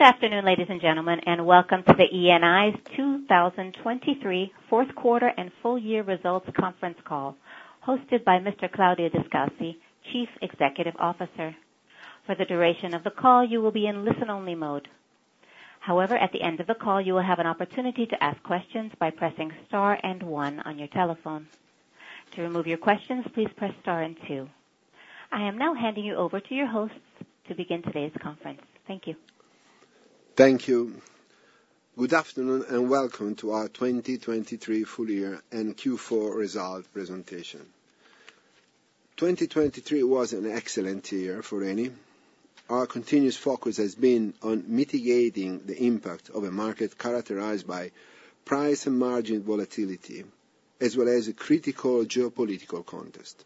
Good afternoon, ladies and gentlemen, and welcome to Eni's 2023 Fourth Quarter and full-year results conference call, hosted by Mr. Claudio Descalzi, Chief Executive Officer. For the duration of the call, you will be in listen-only mode. However, at the end of the call, you will have an opportunity to ask questions by pressing star and one on your telephone. To remove your questions, please press star and two. I am now handing you over to your hosts to begin today's conference. Thank you. Thank you. Good afternoon and welcome to our 2023 full-year and Q4 result presentation. 2023 was an excellent year for Eni. Our continuous focus has been on mitigating the impact of a market characterized by price and margin volatility, as well as a critical geopolitical context.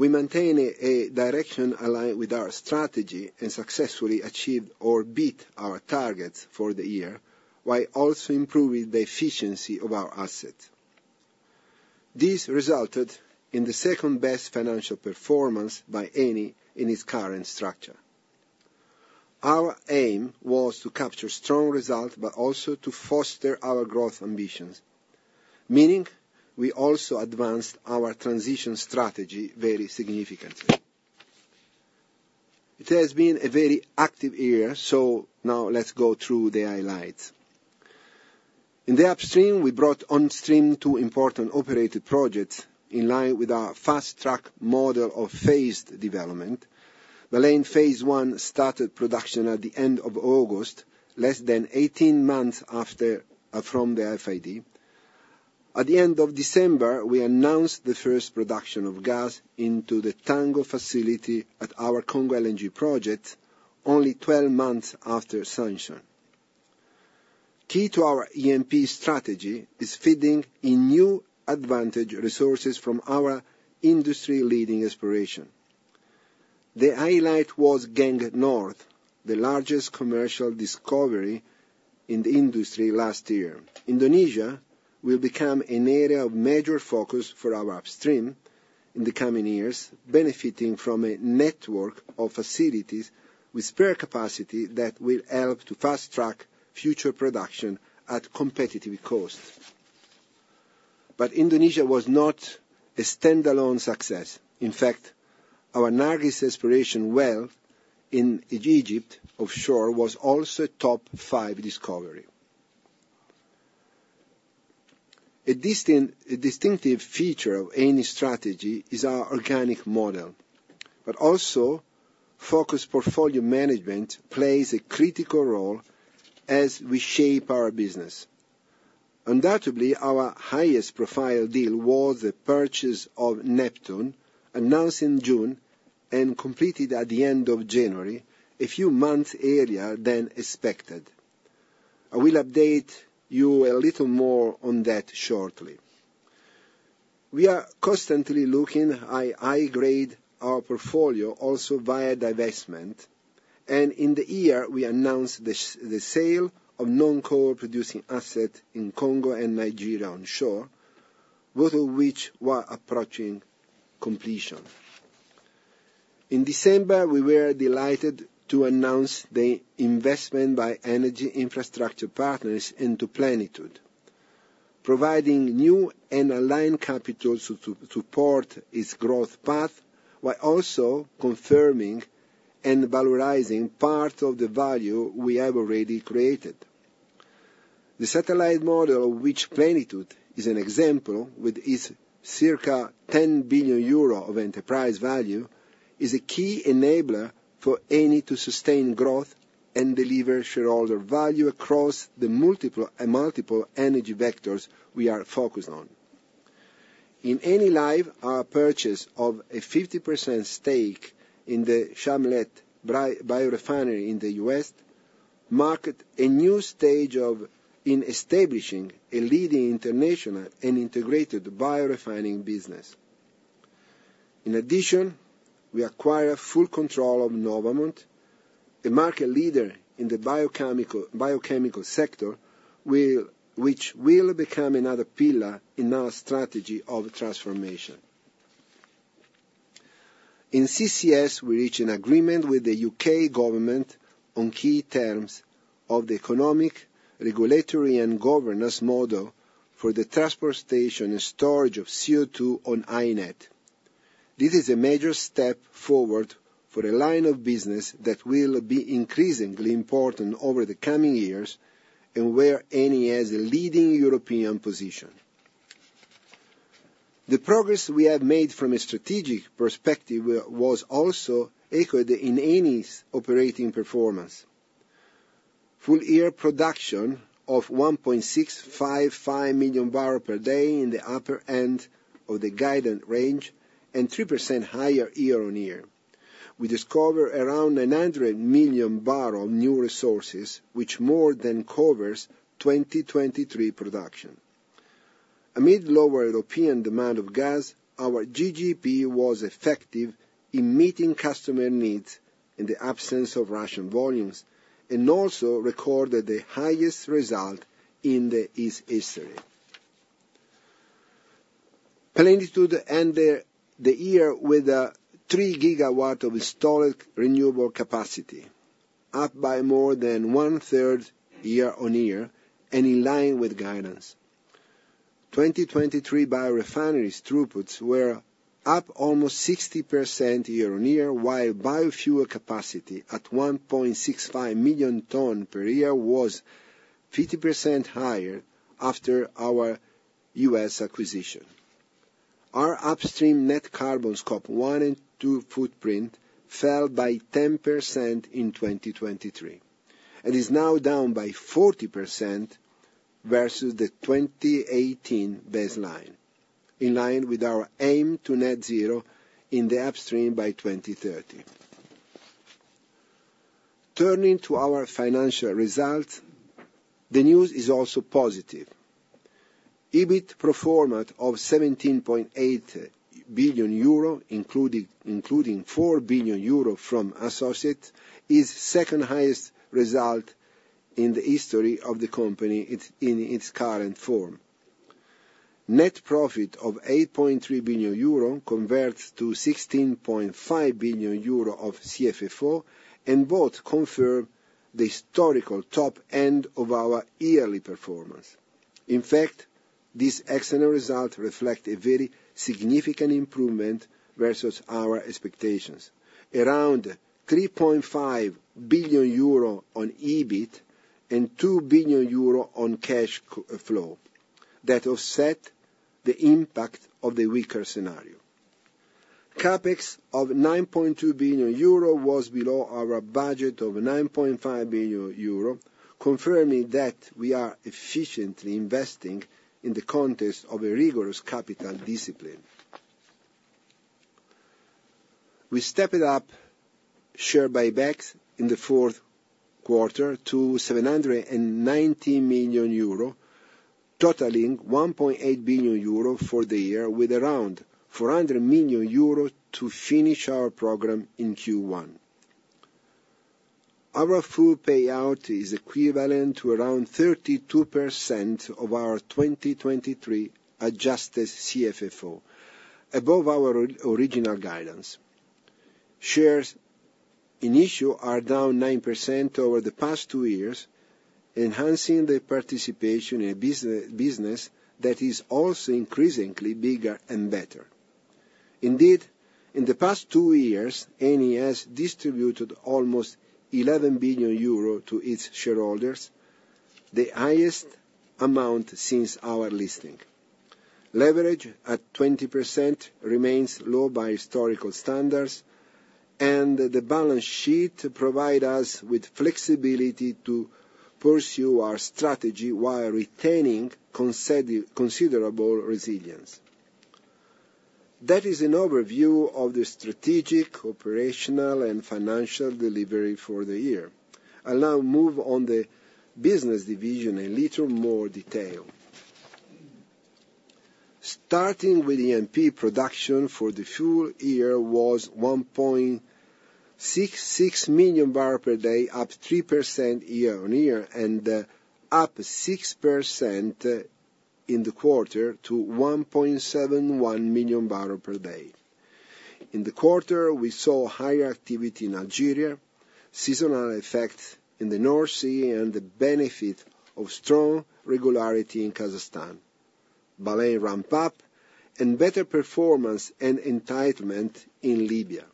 We maintain a direction aligned with our strategy and successfully achieved or beat our targets for the year while also improving the efficiency of our assets. This resulted in the second-best financial performance by Eni in its current structure. Our aim was to capture strong results but also to foster our growth ambitions, meaning we also advanced our transition strategy very significantly. It has been a very active year, so now let's go through the highlights. In the upstream, we brought on-stream two important operated projects in line with our fast-track model of phased development. Baleińe phase I started production at the end of August, less than 18 months from the FID. At the end of December, we announced the first production of gas into the Tango facility at our Congo LNG project, only 12 months after sanction. Key to our E&P strategy is feeding in new advantaged resources from our industry-leading exploration. The highlight was Geng North, the largest commercial discovery in the industry last year. Indonesia will become an area of major focus for our upstream in the coming years, benefiting from a network of facilities with spare capacity that will help to fast-track future production at competitive costs. But Indonesia was not a standalone success. In fact, our Nargis exploration well in Egypt, offshore, was also a top five discovery. A distinctive feature of Eni's strategy is our organic model, but also focused portfolio management plays a critical role as we shape our business. Undoubtedly, our highest-profile deal was the purchase of Neptune, announced in June and completed at the end of January, a few months earlier than expected. I will update you a little more on that shortly. We are constantly looking to high-grade our portfolio also via divestment, and in the year, we announced the sale of non-core producing assets in Congo and Nigeria onshore, both of which were approaching completion. In December, we were delighted to announce the investment by Energy Infrastructure Partners into Plenitude, providing new and aligned capital to support its growth path while also confirming and valorizing part of the value we have already created. The satellite model of which Plenitude is an example, with its circa 10 billion euro of enterprise value, is a key enabler for Eni to sustain growth and deliver shareholder value across the multiple energy vectors we are focused on. In Enilive, our purchase of a 50% stake in the Chalmette Biorefinery in the U.S. marked a new stage in establishing a leading international and integrated biorefining business. In addition, we acquired full control of Novamont, a market leader in the biochemical sector, which will become another pillar in our strategy of transformation. In CCS, we reached an agreement with the U.K. government on key terms of the economic, regulatory, and governance model for the transportation and storage of CO2 on HyNet. This is a major step forward for a line of business that will be increasingly important over the coming years and where Eni has a leading European position. The progress we have made from a strategic perspective was also echoed in Eni's operating performance. Full-year production of 1.655 million barrels per day in the upper end of the guided range and 3% higher year-on-year. We discover around 900 million barrels of new resources, which more than covers 2023 production. Amid lower European demand of gas, our GGP was effective in meeting customer needs in the absence of Russian volumes and also recorded the highest result in its history. Plenitude ended the year with a 3 GW of installed renewable capacity, up by more than one-third year-on-year and in line with guidance. 2023 biorefineries throughputs were up almost 60% year-on-year, while biofuel capacity at 1.65 million tonnes per year was 50% higher after our U.S. acquisition. Our upstream net carbon scope one and two footprint fell by 10% in 2023 and is now down by 40% versus the 2018 baseline, in line with our aim to net zero in the upstream by 2030. Turning to our financial results, the news is also positive. EBIT performance of 17.8 billion euro, including 4 billion euro from Associates, is the second-highest result in the history of the company in its current form. Net profit of 8.3 billion euro converts to 16.5 billion euro of CFFO and both confirm the historical top end of our yearly performance. In fact, these excellent results reflect a very significant improvement versus our expectations, around 3.5 billion euro on EBIT and 2 billion euro on cash flow that offset the impact of the weaker scenario. CapEx of 9.2 billion euro was below our budget of 9.5 billion euro, confirming that we are efficiently investing in the context of a rigorous capital discipline. We stepped up share buybacks in the fourth quarter to 719 million euro, totaling 1.8 billion euro for the year, with around 400 million euro to finish our program in Q1. Our full payout is equivalent to around 32% of our 2023 adjusted CFFO, above our original guidance. Shares in issue are down 9% over the past two years, enhancing the participation in a business that is also increasingly bigger and better. Indeed, in the past two years, Eni has distributed almost 11 billion euro to its shareholders, the highest amount since our listing. Leverage at 20% remains low by historical standards, and the balance sheet provides us with flexibility to pursue our strategy while retaining considerable resilience. That is an overview of the strategic, operational, and financial delivery for the year. I'll now move on to the business division in a little more detail. Starting with ENP, production for the full year was 1.66 million barrels per day, up 3% year-on-year and up 6% in the quarter to 1.71 million barrels per day. In the quarter, we saw higher activity in Algeria, seasonal effects in the North Sea, and the benefit of strong regularity in Kazakhstan, Baleińe ramp-up, and better performance and entitlement in Libya.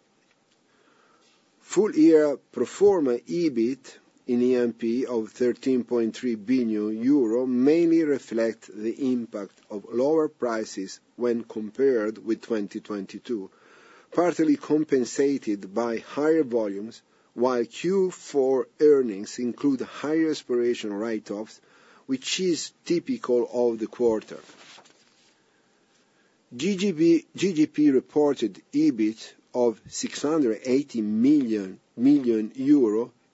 Full-year pro forma EBIT in ENP of 13.3 billion euro mainly reflects the impact of lower prices when compared with 2022, partly compensated by higher volumes, while Q4 earnings include higher impairment write-offs, which is typical of the quarter. GGP reported EBIT of 680 million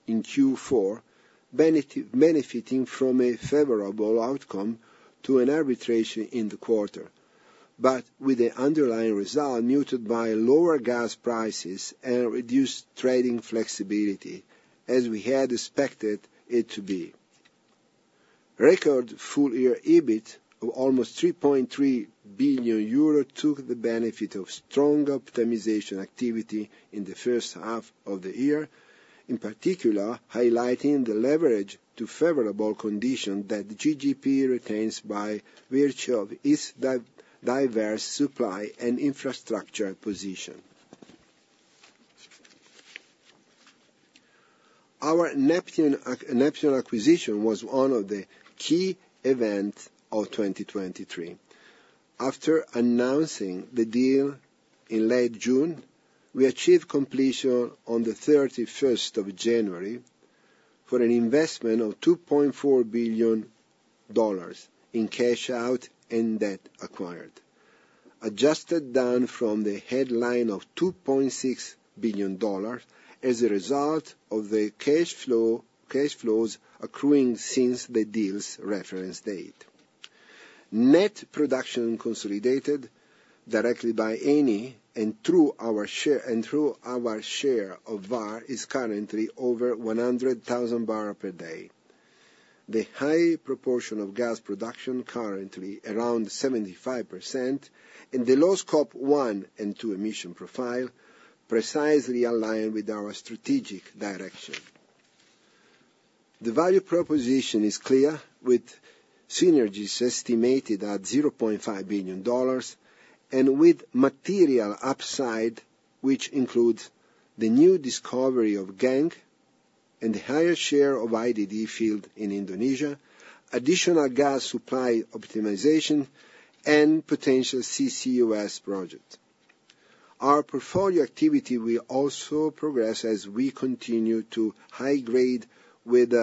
in Q4, benefiting from a favorable outcome to an arbitration in the quarter, but with the underlying result muted by lower gas prices and reduced trading flexibility as we had expected it to be. Record full-year EBIT of almost 3.3 billion euro took the benefit of strong optimization activity in the first half of the year, in particular highlighting the leverage to favorable conditions that GGP retains by virtue of its diverse supply and infrastructure position. Our Neptune acquisition was one of the key events of 2023. After announcing the deal in late June, we achieved completion on the 31st of January for an investment of $2.4 billion in cash-out and debt acquired, adjusted down from the headline of $2.6 billion as a result of the cash flows accruing since the deal's reference date. Net production consolidated directly by Eni and through our share of Vår Energi is currently over 100,000 barrels per day. The high proportion of gas production currently, around 75%, in the low Scope one and two emission profile precisely align with our strategic direction. The value proposition is clear, with synergies estimated at $0.5 billion and with material upside, which includes the new discovery of Geng and the higher share of IDD field in Indonesia, additional gas supply optimization, and potential CCUS projects. Our portfolio activity will also progress as we continue to high-grade with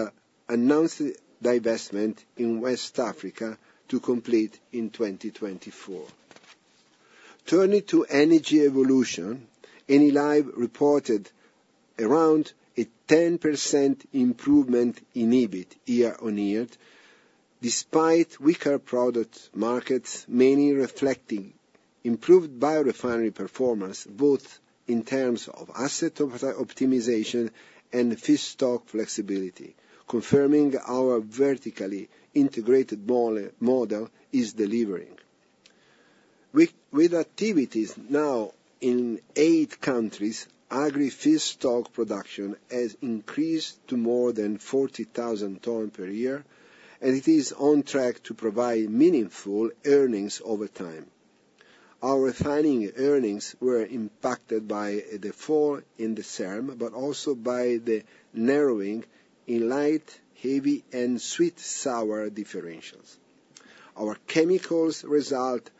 announced divestment in West Africa to complete in 2024. Turning to energy evolution, Enilive reported around a 10% improvement in EBIT year-on-year, despite weaker product markets, mainly reflecting improved biorefinery performance both in terms of asset optimization and feedstock flexibility, confirming our vertically integrated model is delivering. With activities now in eight countries, agri-feedstock production has increased to more than 40,000 tonnes per year, and it is on track to provide meaningful earnings over time. Our refining earnings were impacted by the fall in the SERM, but also by the narrowing in light, heavy, and sweet-sour differentials. Our chemicals' results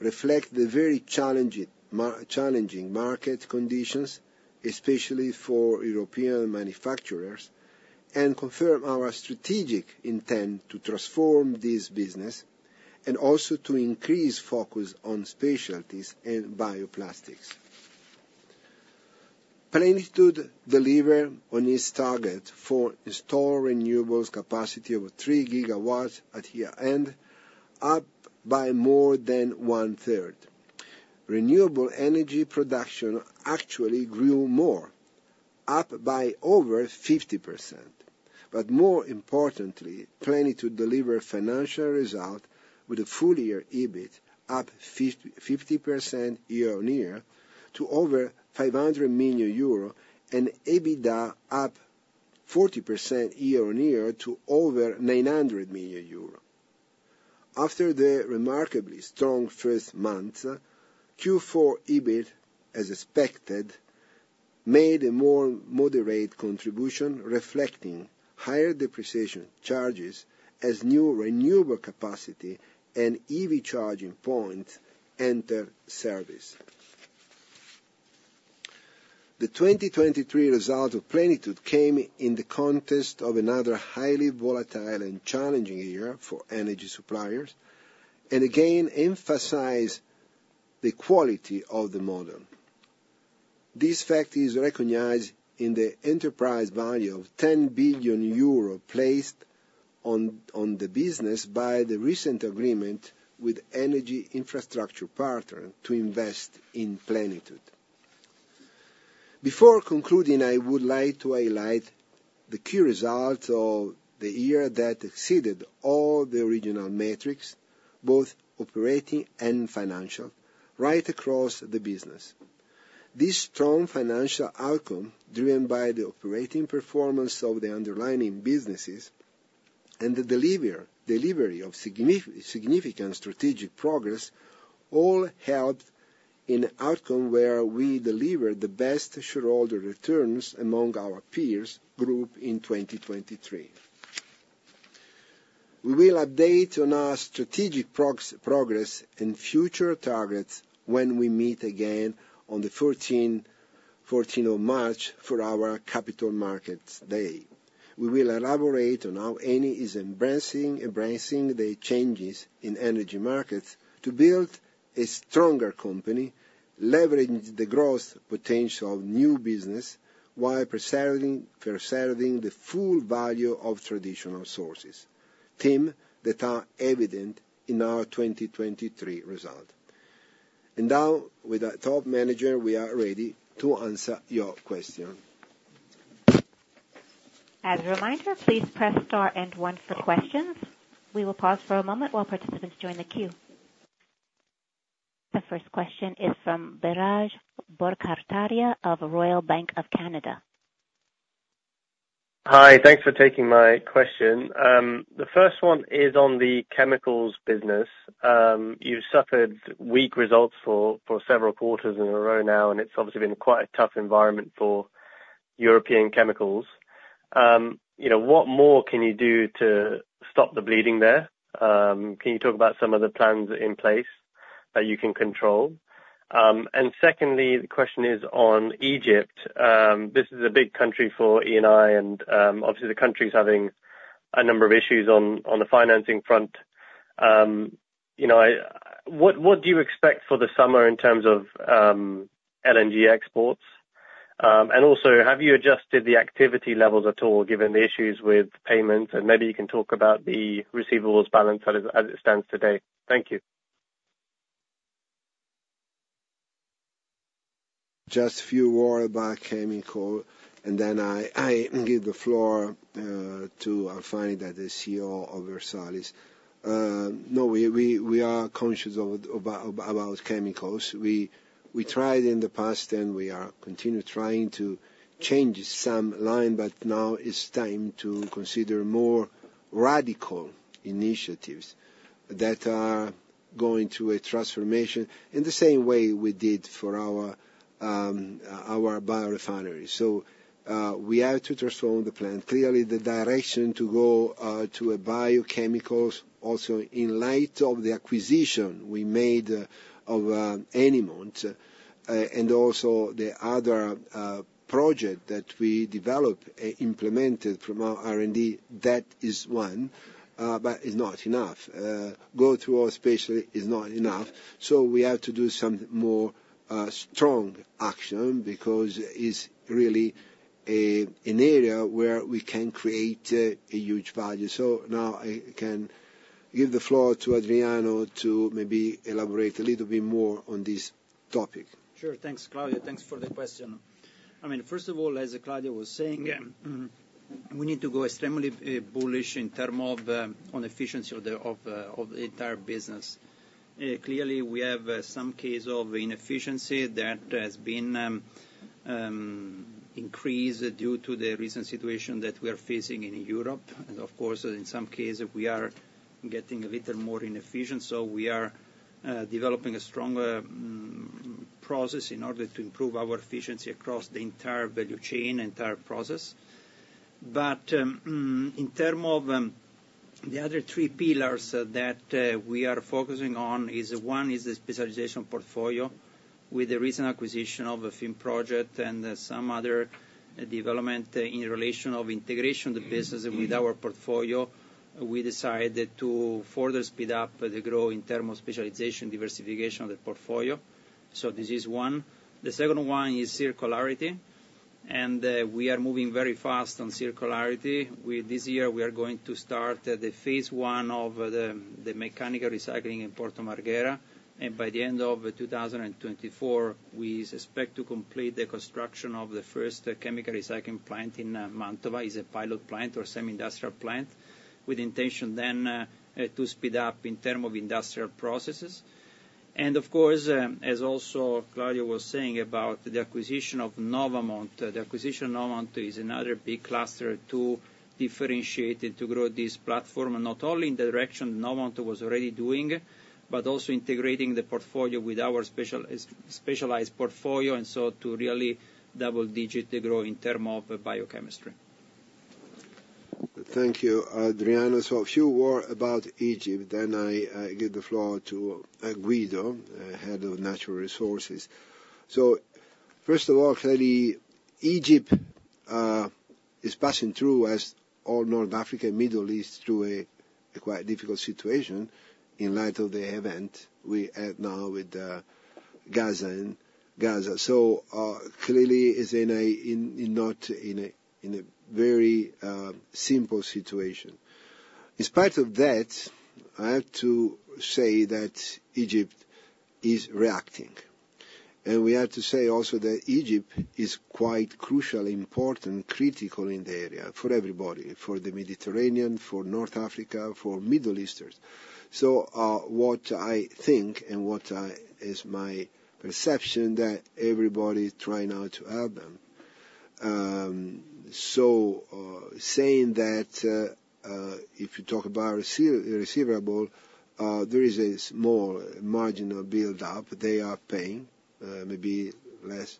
reflect the very challenging market conditions, especially for European manufacturers, and confirm our strategic intent to transform this business and also to increase focus on specialties and bioplastics. Plenitude delivered on its target for installed renewables capacity of 3 GW at year-end, up by more than 1/3. Renewable energy production actually grew more, up by over 50%. But more importantly, Plenitude delivered financial results with a full-year EBIT up 50% year-over-year to over 500 million euro and EBITDA up 40% year-over-year to over 900 million euro. After the remarkably strong first month, Q4 EBIT, as expected, made a more moderate contribution, reflecting higher depreciation charges as new renewable capacity and EV charging points enter service. The 2023 result of Plenitude came in the context of another highly volatile and challenging year for energy suppliers and again emphasized the quality of the model. This fact is recognized in the enterprise value of 10 billion euro placed on the business by the recent agreement with Energy Infrastructure Partners to invest in Plenitude. Before concluding, I would like to highlight the key results of the year that exceeded all the original metrics, both operating and financial, right across the business. This strong financial outcome, driven by the operating performance of the underlying businesses and the delivery of significant strategic progress, all helped in an outcome where we delivered the best shareholder returns among our peers group in 2023. We will update on our strategic progress and future targets when we meet again on the 14th of March for our Capital Markets Day. We will elaborate on how Eni is embracing the changes in energy markets to build a stronger company, leverage the growth potential of new business, while preserving the full value of traditional sources, themes that are evident in our 2023 result. And now, with our top manager, we are ready to answer your question. As a reminder, please press star and one for questions. We will pause for a moment while participants join the queue. The first question is from Biraj Borkhataria of Royal Bank of Canada. Hi. Thanks for taking my question. The first one is on the chemicals business. You've suffered weak results for several quarters in a row now, and it's obviously been quite a tough environment for European chemicals. What more can you do to stop the bleeding there? Can you talk about some of the plans in place that you can control? And secondly, the question is on Egypt. This is a big country for Eni, and obviously, the country's having a number of issues on the financing front. What do you expect for the summer in terms of LNG exports? And also, have you adjusted the activity levels at all given the issues with payments? And maybe you can talk about the receivables balance as it stands today. Thank you. Just a few more about chemicals, and then I give the floor to Alfani that is CEO of Versalis. No, we are conscious about chemicals. We tried in the past, and we continue trying to change some line, but now it's time to consider more radical initiatives that are going through a transformation in the same way we did for our biorefineries. So we have to transform the plan. Clearly, the direction to go to biochemicals, also in light of the acquisition we made of Novamont and also the other project that we developed, implemented from our R&D, that is one, but it's not enough. Go through all especially is not enough. So we have to do some more strong action because it's really an area where we can create a huge value. Now I can give the floor to Adriano to maybe elaborate a little bit more on this topic. Sure. Thanks, Claudio. Thanks for the question. I mean, first of all, as Claudio was saying, we need to go extremely bullish in terms of efficiency of the entire business. Clearly, we have some case of inefficiency that has been increased due to the recent situation that we are facing in Europe. And of course, in some cases, we are getting a little more inefficient. So we are developing a stronger process in order to improve our efficiency across the entire value chain, entire process. But in terms of the other three pillars that we are focusing on, one is the specialization portfolio with the recent acquisition of a FIM project and some other development in relation of integration of the business with our portfolio. We decided to further speed up the growth in terms of specialization diversification of the portfolio. So this is one. The second one is circularity. We are moving very fast on circularity. This year, we are going to start the phase I of the mechanical recycling in Porto Marghera. By the end of 2024, we expect to complete the construction of the first chemical recycling plant in Mantova. It's a pilot plant or semi-industrial plant with the intention then to speed up in terms of industrial processes. Of course, as also Claudio was saying about the acquisition of Novamont, the acquisition of Novamont is another big cluster to differentiate and to grow this platform not only in the direction Novamont was already doing, but also integrating the portfolio with our specialized portfolio and so to really double-digit the growth in terms of biochemistry. Thank you, Adriano. So a few more about Egypt. Then I give the floor to Guido, head of natural resources. So first of all, clearly, Egypt is passing through, as all North Africa and Middle East, through a quite difficult situation in light of the event we had now with Gaza. So clearly, it's not in a very simple situation. In spite of that, I have to say that Egypt is reacting. And we have to say also that Egypt is quite crucial, important, critical in the area for everybody, for the Mediterranean, for North Africa, for Middle Eastern. So what I think and what is my perception that everybody is trying now to help them. So saying that if you talk about receivable, there is a small marginal buildup. They are paying maybe less,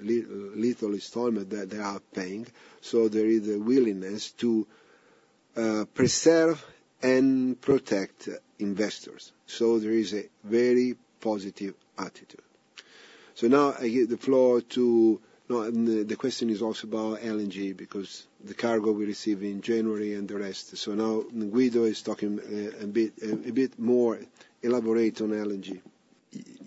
little installment that they are paying. So there is a willingness to preserve and protect investors. So there is a very positive attitude. So now I give the floor to the question is also about LNG because the cargo we receive in January and the rest. So now Guido is talking a bit more elaborate on LNG.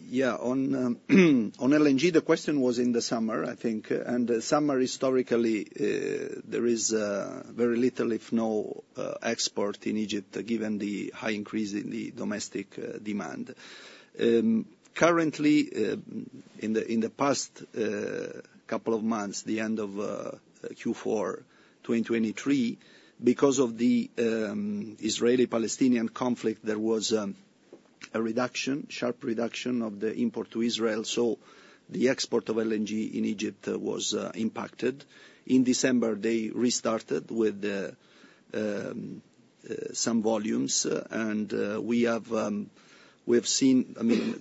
Yeah. On LNG, the question was in the summer, I think. The summer, historically, there is very little, if no export in Egypt given the high increase in the domestic demand. Currently, in the past couple of months, the end of Q4 2023, because of the Israeli-Palestinian conflict, there was a reduction, sharp reduction of the import to Israel. So the export of LNG in Egypt was impacted. In December, they restarted with some volumes. And we have seen, I mean,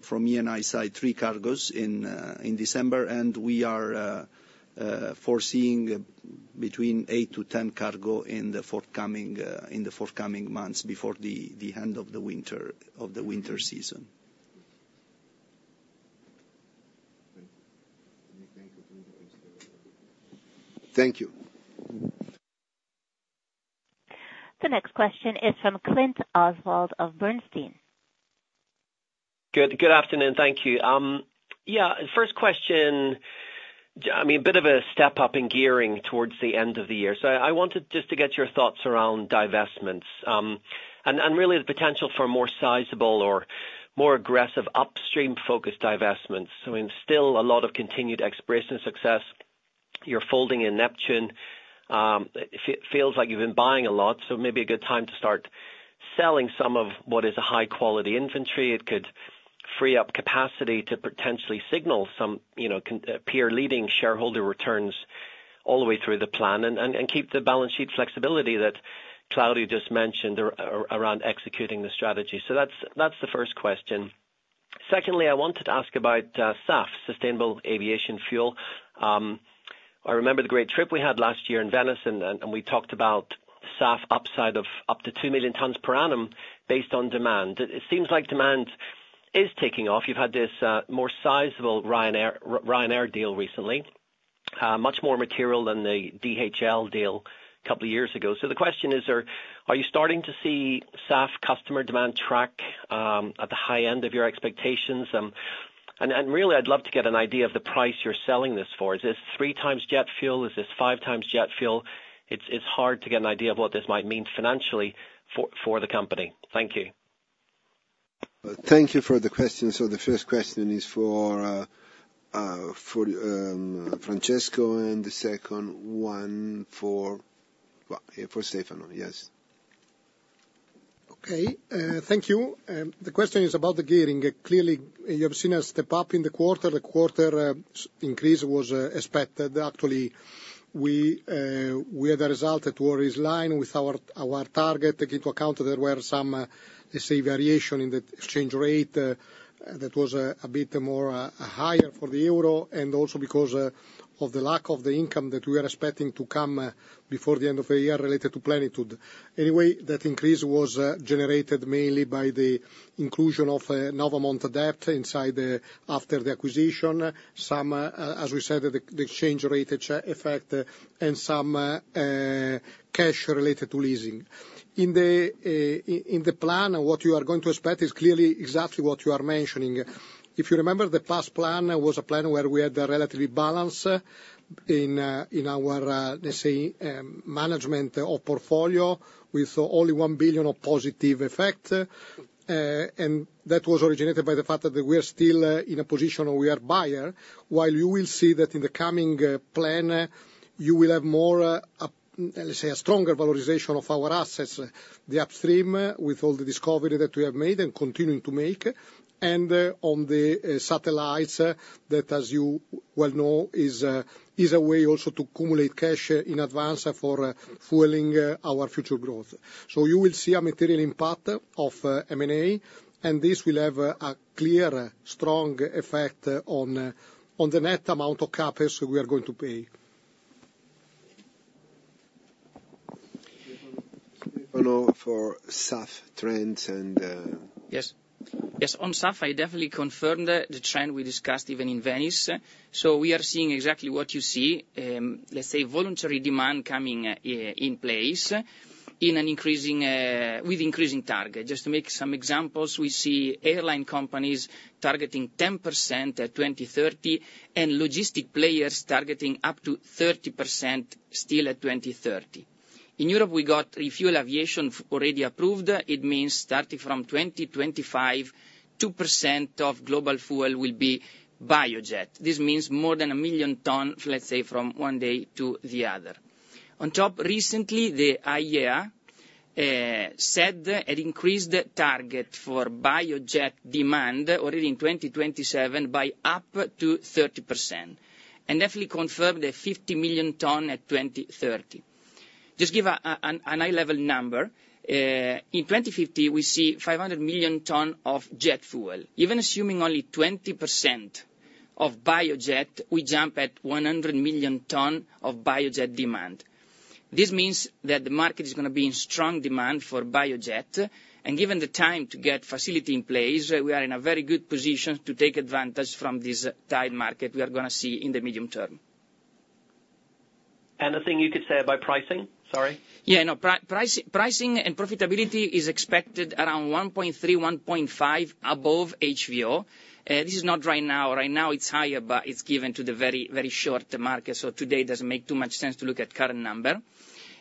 from E&I side, three cargoes in December. And we are foreseeing between eight-10 cargo in the forthcoming months before the end of the winter season. Thank you. The next question is from Clint Oswald of Bernstein. Good afternoon. Thank you. Yeah. First question, I mean, a bit of a step up in gearing towards the end of the year. So I wanted just to get your thoughts around divestments and really the potential for more sizable or more aggressive upstream-focused divestments. I mean, still a lot of continued exploration success. You're folding in Neptune. It feels like you've been buying a lot. So maybe a good time to start selling some of what is a high-quality inventory. It could free up capacity to potentially signal some peer-leading shareholder returns all the way through the plan and keep the balance sheet flexibility that Claudio just mentioned around executing the strategy. So that's the first question. Secondly, I wanted to ask about SAF, Sustainable Aviation Fuel. I remember the great trip we had last year in Venice, and we talked about SAF upside of up to 2 million tons per annum based on demand. It seems like demand is taking off. You've had this more sizable Ryanair deal recently, much more material than the DHL deal a couple of years ago. So the question is, are you starting to see SAF customer demand track at the high end of your expectations? And really, I'd love to get an idea of the price you're selling this for. Is this three times jet fuel? Is this five times jet fuel? It's hard to get an idea of what this might mean financially for the company. Thank you. Thank you for the question. So the first question is for Francesco, and the second one for Stefano. Yes. Okay. Thank you. The question is about the gearing. Clearly, you have seen a step up in the quarter. The quarter increase was expected. Actually, we had a result that was in line with our target. Taking into account that there were some, let's say, variation in the exchange rate that was a bit more higher for the Euro and also because of the lack of the income that we are expecting to come before the end of the year related to Plenitude. Anyway, that increase was generated mainly by the inclusion of Novamont debt after the acquisition, some, as we said, the exchange rate effect, and some cash related to leasing. In the plan, what you are going to expect is clearly exactly what you are mentioning. If you remember, the past plan was a plan where we had a relatively balance in our, let's say, management of portfolio with only 1 billion of positive effect. And that was originated by the fact that we are still in a position where we are buyer, while you will see that in the coming plan, you will have more, let's say, a stronger valorization of our assets the upstream with all the discovery that we have made and continuing to make and on the satellites that, as you well know, is a way also to accumulate cash in advance for fueling our future growth. So you will see a material impact of M&A, and this will have a clear, strong effect on the net amount of CapEx we are going to pay. Stefano for SAF trends and. Yes. Yes. On SAF, I definitely confirmed the trend we discussed even in Venice. So we are seeing exactly what you see, let's say, voluntary demand coming in place with increasing target. Just to make some examples, we see airline companies targeting 10% at 2030 and logistic players targeting up to 30% still at 2030. In Europe, we got refuel aviation already approved. It means starting from 2025, 2% of global fuel will be biojet. This means more than 1 million tons, let's say, from one day to the other. On top, recently, the IEA set an increased target for biojet demand already in 2027 by up to 30% and definitely confirmed a 50 million tons at 2030. Just give a high-level number. In 2050, we see 500 million tons of jet fuel. Even assuming only 20% of biojet, we jump at 100 million tons of biojet demand. This means that the market is going to be in strong demand for biojet. Given the time to get facility in place, we are in a very good position to take advantage from this tight market we are going to see in the medium term. The thing you could say about pricing? Sorry. Yeah. No. Pricing and profitability is expected around 1.3-1.5 above HVO. This is not right now. Right now, it's higher, but it's given to the very, very short market. So today doesn't make too much sense to look at current number.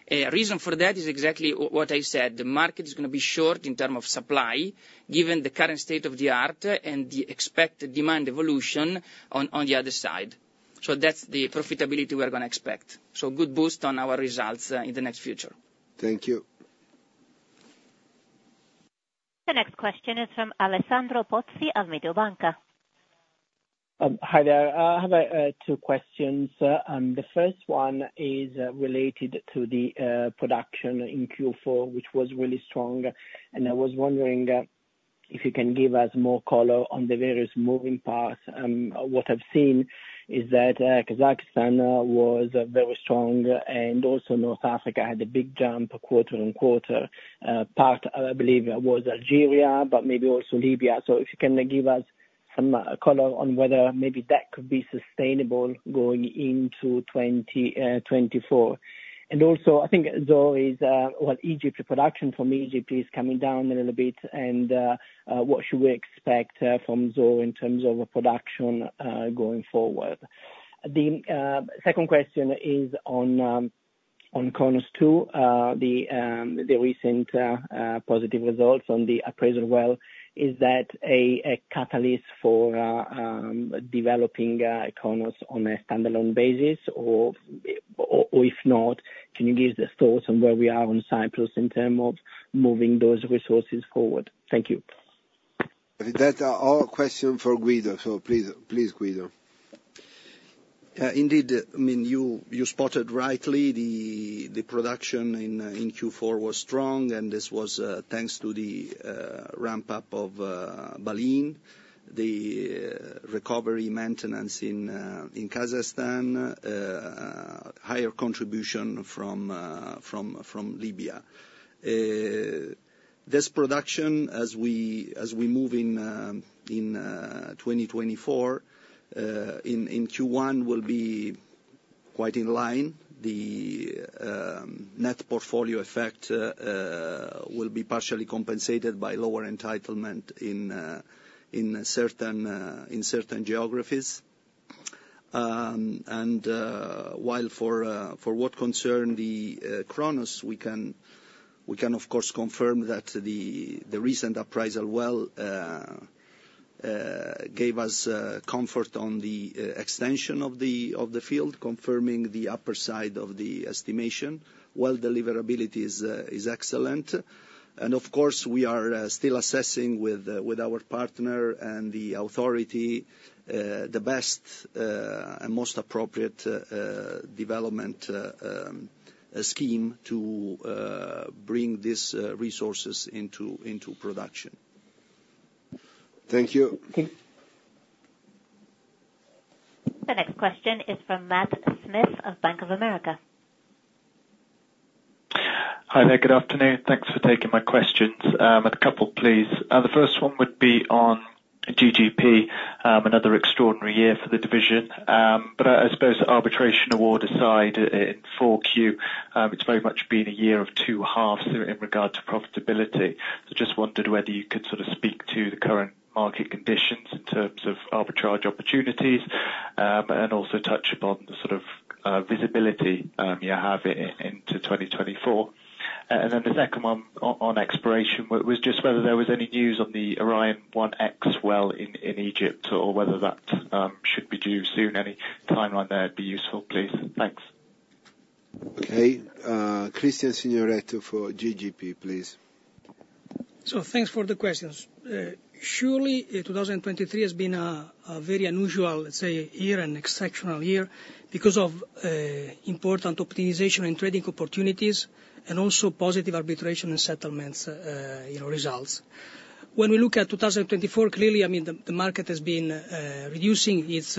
Reason for that is exactly what I said. The market is going to be short in terms of supply given the current state of the art and the expected demand evolution on the other side. So that's the profitability we are going to expect. So good boost on our results in the next future. Thank you. The next question is from Alessandro Pozzi of Mediobanca. Hi there. I have two questions. The first one is related to the production in Q4, which was really strong. I was wondering if you can give us more color on the various moving parts. What I've seen is that Kazakhstan was very strong and also North Africa had a big jump quarter-over-quarter. Part, I believe, was Algeria, but maybe also Libya. So if you can give us some color on whether maybe that could be sustainable going into 2024. And also, I think Zohr as well, Egypt, the production from Egypt is coming down a little bit. And what should we expect from Zohr in terms of production going forward? The second question is on Cronos, the recent positive results on the appraisal well. Is that a catalyst for developing Cronos on a standalone basis? Or if not, can you give the thoughts on where we are on Cyprus in terms of moving those resources forward? Thank you. That's all questions for Guido. So please, Guido. Indeed. I mean, you spotted rightly. The production in Q4 was strong, and this was thanks to the ramp-up of Baleińe, the recovery maintenance in Kazakhstan, higher contribution from Libya. This production, as we move in 2024, in Q1 will be quite in line. The net portfolio effect will be partially compensated by lower entitlement in certain geographies. And while for what concerns the Cronos, we can, of course, confirm that the recent appraisal well gave us comfort on the extension of the field, confirming the upper side of the estimation. Well deliverability is excellent. And of course, we are still assessing with our partner and the authority the best and most appropriate development scheme to bring these resources into production. Thank you. The next question is from Matt Smith of Bank of America. Hi there. Good afternoon. Thanks for taking my questions. A couple, please. The first one would be on GGP, another extraordinary year for the division. But I suppose arbitration award aside in 4Q, it's very much been a year of two 1/2 in regard to profitability. So just wondered whether you could sort of speak to the current market conditions in terms of arbitrage opportunities and also touch upon the sort of visibility you have into 2024. And then the second one on exploration was just whether there was any news on the Orion 1X well in Egypt or whether that should be due soon. Any timeline there would be useful, please. Thanks. Okay. Cristian Signoretto for GGP, please. So thanks for the questions. Surely, 2023 has been a very unusual, let's say, year and exceptional year because of important optimization in trading opportunities and also positive arbitration and settlements results. When we look at 2024, clearly, I mean, the market has been reducing its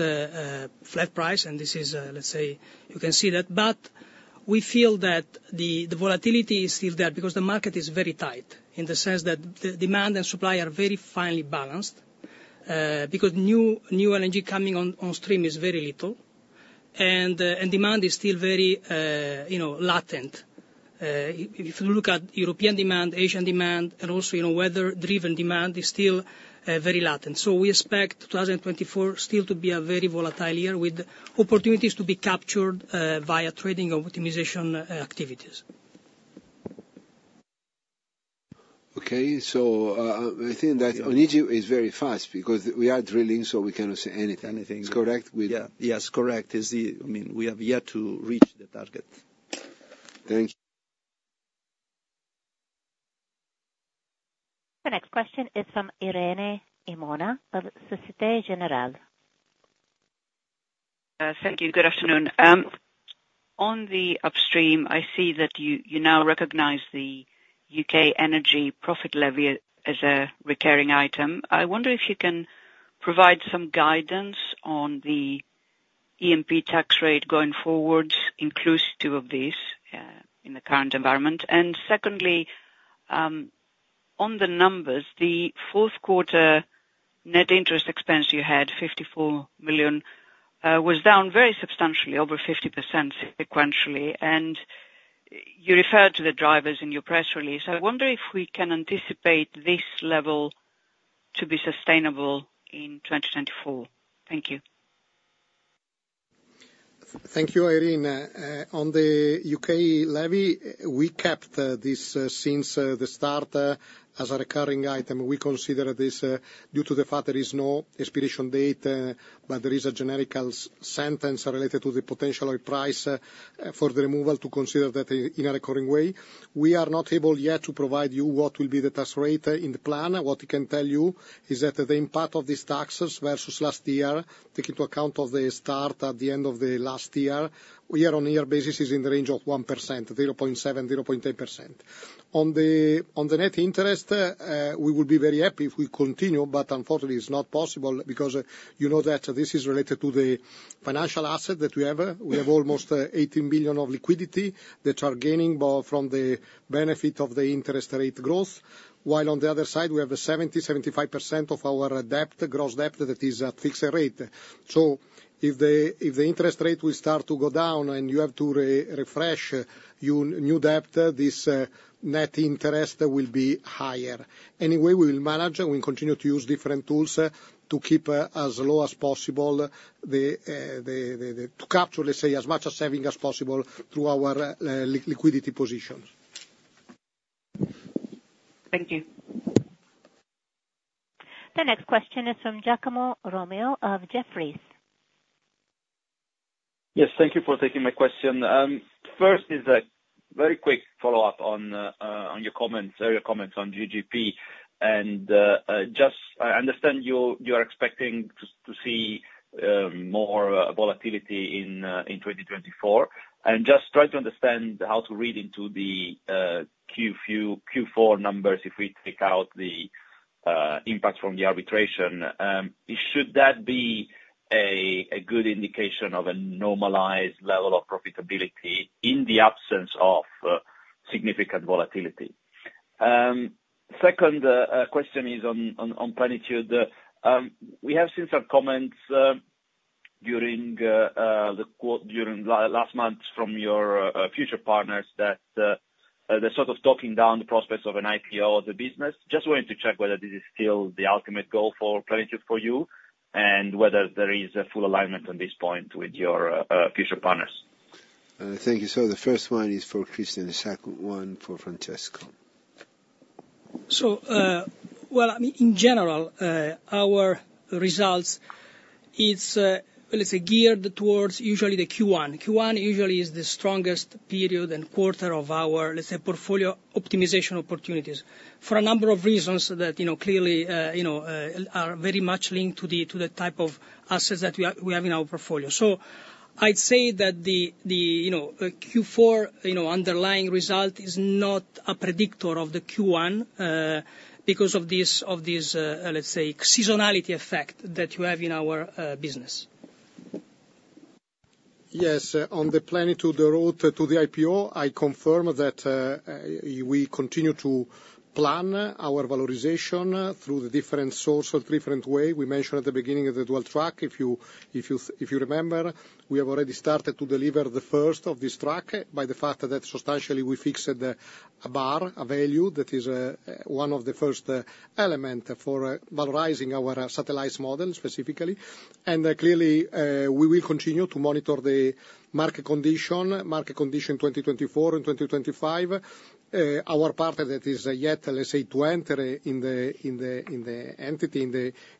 flat price, and this is, let's say, you can see that. But we feel that the volatility is still there because the market is very tight in the sense that demand and supply are very finely balanced because new LNG coming on stream is very little, and demand is still very latent. If you look at European demand, Asian demand, and also weather-driven demand, it's still very latent. So we expect 2024 still to be a very volatile year with opportunities to be captured via trading optimization activities. Okay. So I think that on Egypt, it's very fast because we are drilling, so we cannot say anything. Is correct? Yes. Correct. I mean, we have yet to reach the target. Thank you. The next question is from Irene Himona of Société Générale. Thank you. Good afternoon. On the upstream, I see that you now recognize the U.K. energy profit levy as a recurring item. I wonder if you can provide some guidance on the EMP tax rate going forward, inclusive of this in the current environment. And secondly, on the numbers, the fourth-quarter net interest expense you had, 54 million, was down very substantially, over 50% sequentially. And you referred to the drivers in your press release. I wonder if we can anticipate this level to be sustainable in 2024. Thank you. Thank you, Irene. On the U.K. levy, we kept this since the start as a recurring item. We consider this due to the fact there is no expiration date, but there is a general sentence related to the potential price for the removal to consider that in a recurring way. We are not able yet to provide you what will be the tax rate in the plan. What we can tell you is that the impact of these taxes versus last year, taking into account the start at the end of last year, year-on-year basis, is in the range of 1%, 0.7%, 0.8%. On the net interest, we will be very happy if we continue, but unfortunately, it's not possible because you know that this is related to the financial asset that we have. We have almost 18 million of liquidity that are gaining from the benefit of the interest rate growth, while on the other side, we have 70%-75% of our gross debt that is at fixed rate. So if the interest rate will start to go down and you have to refresh new debt, this net interest will be higher. Anyway, we will manage. We will continue to use different tools to keep as low as possible to capture, let's say, as much as saving as possible through our liquidity positions. Thank you. The next question is from Giacomo Romeo of Jefferies. Yes. Thank you for taking my question. First is a very quick follow-up on your comments, earlier comments, on GGP. I understand you are expecting to see more volatility in 2024. Just trying to understand how to read into the Q4 numbers if we take out the impact from the arbitration, should that be a good indication of a normalized level of profitability in the absence of significant volatility? Second question is on Plenitude. We have seen some comments during last month from your future partners that they're sort of talking down the prospects of an IPO of the business. Just wanted to check whether this is still the ultimate goal for Plenitude for you and whether there is full alignment on this point with your future partners. Thank you. So the first one is for Christian. The second one for Francesco. So, well, I mean, in general, our results, it's, let's say, geared towards usually the Q1. Q1 usually is the strongest period and quarter of our, let's say, portfolio optimization opportunities for a number of reasons that clearly are very much linked to the type of assets that we have in our portfolio. So I'd say that the Q4 underlying result is not a predictor of the Q1 because of this, let's say, seasonality effect that you have in our business. Yes. On the Plenitude route to the IPO, I confirm that we continue to plan our valorization through the different sources, different way. We mentioned at the beginning of the dual track, if you remember, we have already started to deliver the first of this track by the fact that substantially, we fixed a bar, a value that is one of the first elements for valorizing our satellite model specifically. And clearly, we will continue to monitor the market condition, market condition 2024 and 2025. Our partner that is yet, let's say, to enter in the entity,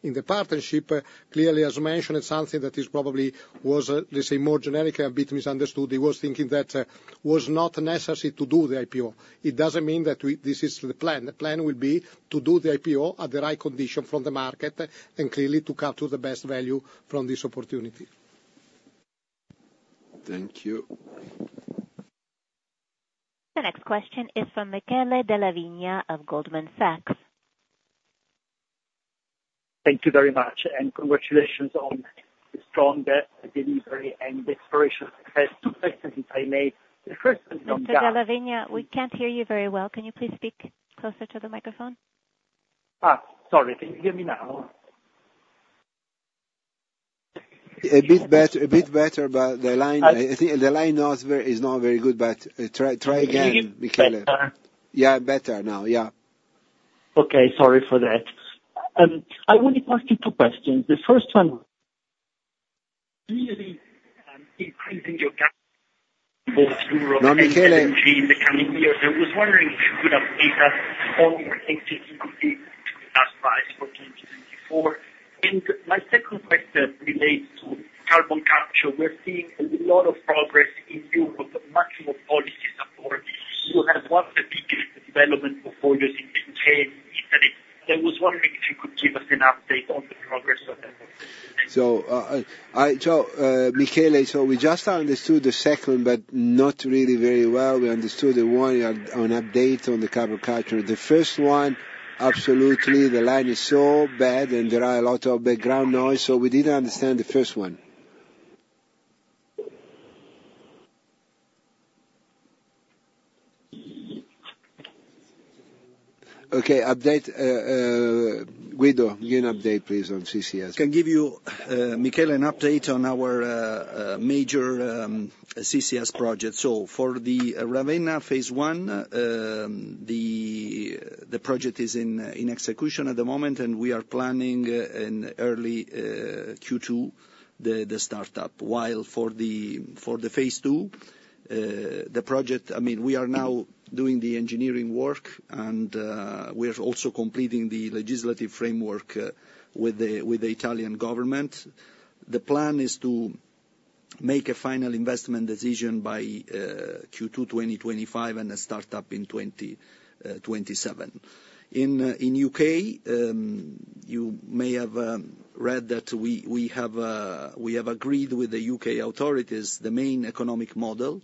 in the partnership, clearly, as mentioned, it's something that probably was, let's say, more generic and a bit misunderstood. He was thinking that it was not necessary to do the IPO. It doesn't mean that this is the plan. The plan will be to do the IPO at the right condition from the market and clearly to capture the best value from this opportunity. Thank you. The next question is from Michele Della Vigna of Goldman Sachs. Thank you very much. Congratulations on the strong delivery and the exploration success. Two questions if I may. The first one is on. Mr. Della Vigna, we can't hear you very well. Can you please speak closer to the microphone? Sorry. Can you hear me now? A bit better, but the line is not very good. Try again, Michele. Is it even better? Yeah, better now. Yeah. Okay. Sorry for that. I want to ask you two questions. The first one. Clearly, increasing your capex in Europe and the LNG in the coming years. I was wondering if you could update us on what I think is the latest guidance for 2024. And my second question relates to carbon capture. We're seeing a lot of progress in Europe, much more policy support. You have one of the biggest development portfolios in the U.K., Italy. I was wondering if you could give us an update on the progress of that. So, Michele, so we just understood the second but not really very well. We understood the one, an update on the carbon capture. The first one, absolutely, the line is so bad, and there are a lot of background noise, so we didn't understand the first one. Okay. Guido, give an update, please, on CCS. I can give you, Michele, an update on our major CCS project. So for the Ravenna phase I, the project is in execution at the moment, and we are planning in early Q2 the startup. While for the phase II, the project I mean, we are now doing the engineering work, and we're also completing the legislative framework with the Italian government. The plan is to make a final investment decision by Q2 2025 and a startup in 2027. In U.K., you may have read that we have agreed with the U.K. authorities the main economic model,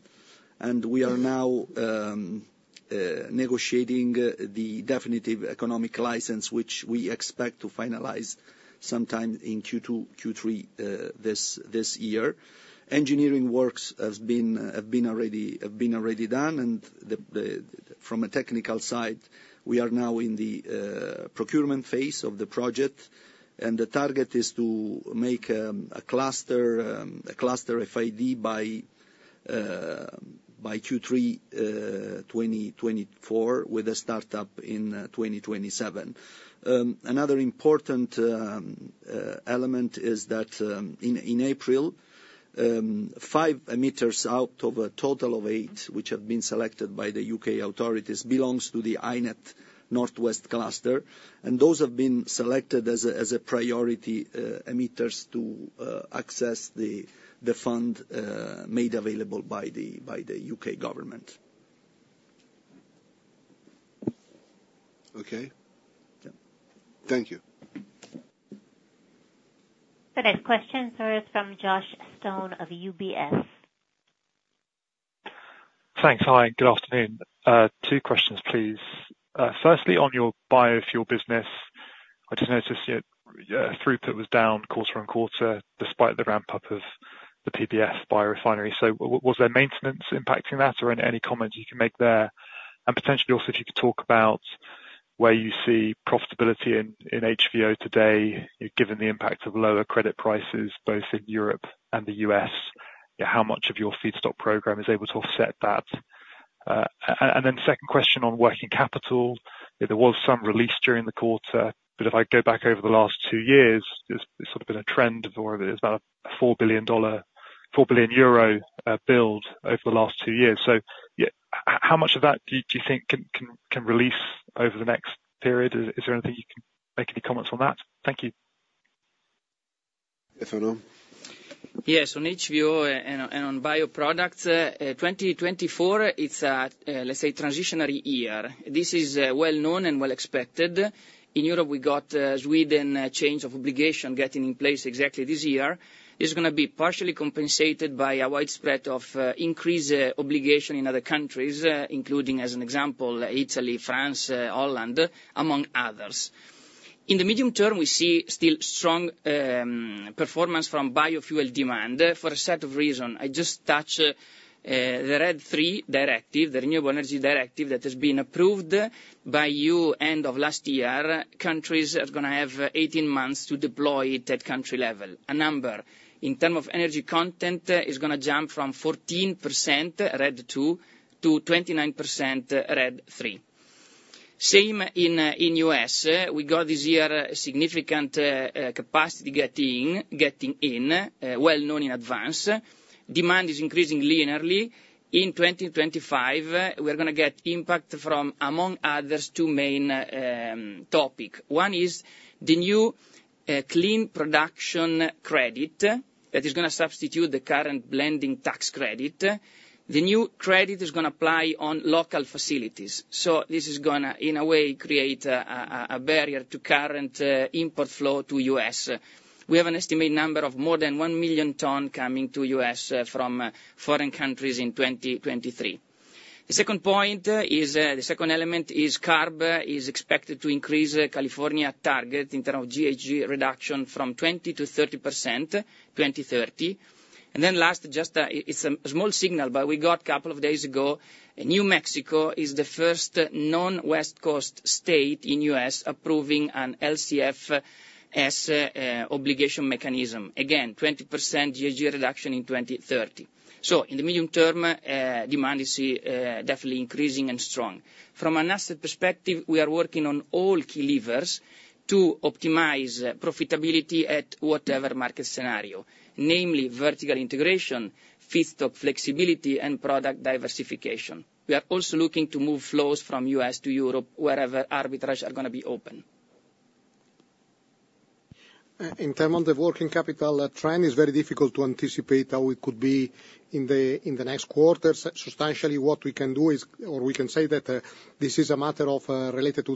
and we are now negotiating the definitive economic license, which we expect to finalize sometime in Q2, Q3 this year. Engineering works have been already done. From a technical side, we are now in the procurement phase of the project, and the target is to make a cluster FID by Q3 2024 with a startup in 2027. Another important element is that in April, five emitters out of a total of eight, which have been selected by the U.K. authorities, belongs to the HyNet Northwest cluster. And those have been selected as priority emitters to access the fund made available by the U.K. government. Okay. Thank you. The next question, sir, is from Josh Stone of UBS. Thanks. Hi. Good afternoon. Two questions, please. Firstly, on your biofuel business, I just noticed your throughput was down quarter on quarter despite the ramp-up of the PBF biorefinery. So was there maintenance impacting that, or any comments you can make there? And potentially also, if you could talk about where you see profitability in HVO today, given the impact of lower credit prices both in Europe and the U.S., how much of your feedstock program is able to offset that? And then second question on working capital. There was some release during the quarter, but if I go back over the last two years, there's sort of been a trend of about a EUR 4 billion build over the last two years. So how much of that do you think can release over the next period? Is there anything you can make any comments on that? Thank you. Yes, sir. Yes. On HVO and on bioproducts, 2024, it's a, let's say, transitionary year. This is well-known and well-expected. In Europe, we got Sweden change of obligation getting in place exactly this year. This is going to be partially compensated by a widespread increase in obligation in other countries, including, as an example, Italy, France, Holland, among others. In the medium term, we see still strong performance from biofuel demand for a set of reasons. I just touched the RED III directive, the Renewable Energy Directive that has been approved by EU end of last year. Countries are going to have 18 months to deploy it at country level. A number in terms of energy content is going to jump from 14% RED II to 29% RED III. Same in U.S. We got this year significant capacity getting in, well-known in advance. Demand is increasing linearly. In 2025, we're going to get impact from, among others, two main topics. One is the new clean production credit that is going to substitute the current blending tax credit. The new credit is going to apply on local facilities. So this is going to, in a way, create a barrier to current import flow to the U.S. We have an estimated number of more than 1 million tons coming to the U.S. from foreign countries in 2023. The second point is the second element is CARB is expected to increase California's target in terms of GHG reduction from 20%-30% in 2030. And then last, just it's a small signal, but we got a couple of days ago, New Mexico is the first non-West Coast state in the U.S. approving an LCFS obligation mechanism. Again, 20% GHG reduction in 2030. So in the medium term, demand is definitely increasing and strong. From an asset perspective, we are working on all key levers to optimize profitability at whatever market scenario, namely vertical integration, feedstock flexibility, and product diversification. We are also looking to move flows from U.S. to Europe wherever arbitrage are going to be open. In terms of the working capital trend, it's very difficult to anticipate how it could be in the next quarters. Substantially, what we can do is or we can say that this is a matter related to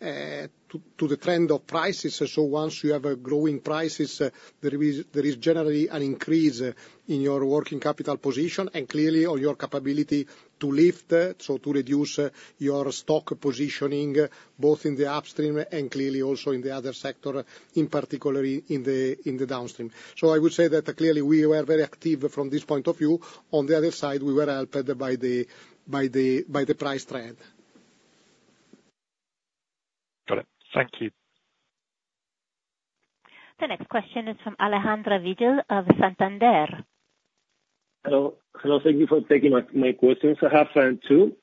the trend of prices. So once you have growing prices, there is generally an increase in your working capital position and clearly on your capability to lift, so to reduce your stock positioning both in the upstream and clearly also in the other sector, in particular in the downstream. So I would say that clearly, we were very active from this point of view. On the other side, we were helped by the price trend. Got it. Thank you. The next question is from Alejandro Vidal of Santander. Hello. Hello. Thank you for taking my questions. I have two.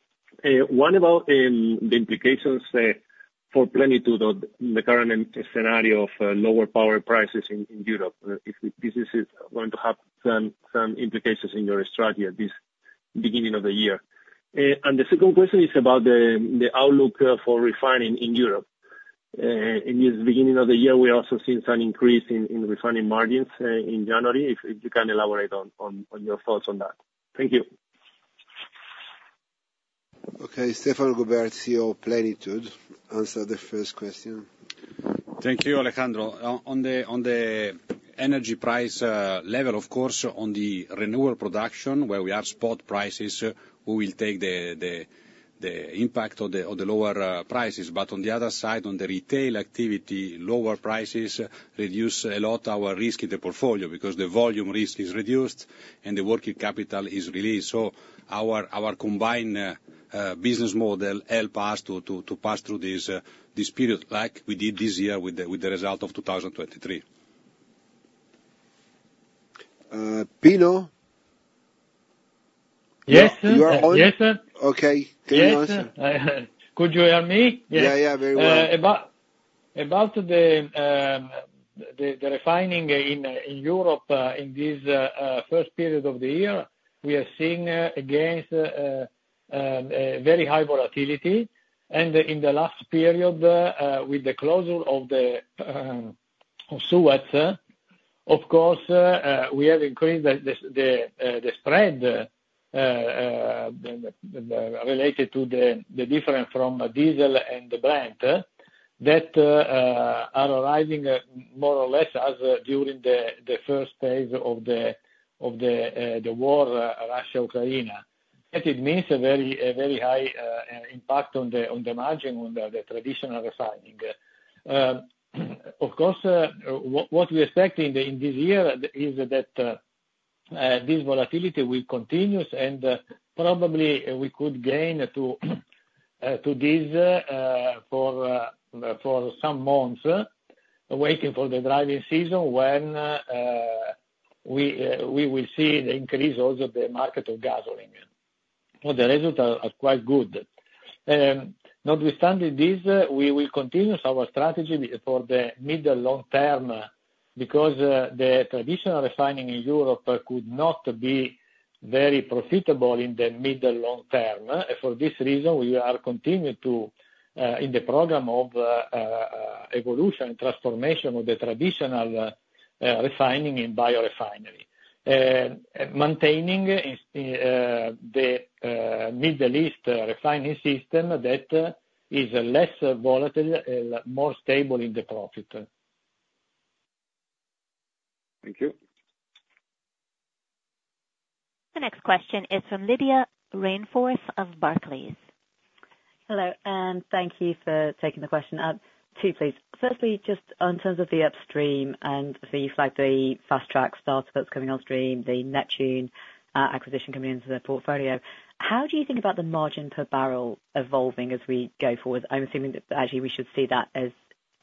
One about the implications for Plenitude, the current scenario of lower power prices in Europe. This is going to have some implications in your strategy at this beginning of the year. The second question is about the outlook for refining in Europe. In this beginning of the year, we also seen some increase in refining margins in January, if you can elaborate on your thoughts on that. Thank you. Okay. Stefano Goberti, CEO of Plenitude, answer the first question. Thank you, Alejandro. On the energy price level, of course, on the renewable production, where we are spot prices, who will take the impact of the lower prices. But on the other side, on the retail activity, lower prices reduce a lot our risk in the portfolio because the volume risk is reduced and the working capital is released. So our combined business model helped us to pass through this period like we did this year with the result of 2023. Fano? Yes? You are on? Yes, sir. Okay. Fano? Yes. Could you hear me? Yes. Yeah, yeah. Very well. About the refining in Europe, in this first period of the year, we are seeing again very high volatility. In the last period, with the closure of SUET, of course, we have increased the spread related to the difference from diesel and Brent that are arriving more or less during the first phase of the war, Russia-Ukraine. It means a very high impact on the margin, on the traditional refining. Of course, what we expect in this year is that this volatility will continue, and probably, we could gain to this for some months waiting for the driving season when we will see the increase also of the market of gasoline. The results are quite good. Notwithstanding this, we will continue our strategy for the middle-long term because the traditional refining in Europe could not be very profitable in the middle-long term. For this reason, we are continuing in the program of evolution and transformation of the traditional refining in biorefinery, maintaining the Middle East refining system that is less volatile and more stable in the profit. Thank you. The next question is from Lydia Rainforth of Barclays. Hello. Thank you for taking the question. Two, please. Firstly, just in terms of the upstream and the FastTrack startup that's coming upstream, the Neptune acquisition coming into the portfolio, how do you think about the margin per barrel evolving as we go forward? I'm assuming that, actually, we should see that as